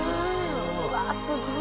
うわっすごい！